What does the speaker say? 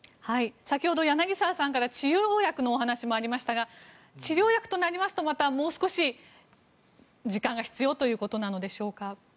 先ほど柳澤さんから治療薬の話もありましたが治療薬となりますとまたもう少し時間が必要ということなのでしょうか。